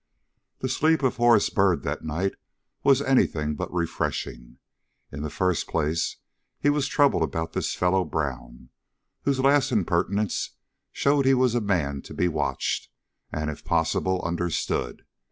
THE sleep of Horace Byrd that night was any thing but refreshing. In the first place, he was troubled about this fellow Brown, whose last impertinence showed he was a man to be watched, and, if possible, understood.